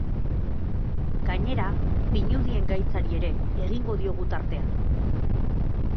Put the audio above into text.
Gainera, pinudien gaitzari ere egingo diogu tartea.